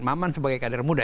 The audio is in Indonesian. maman sebagai kader muda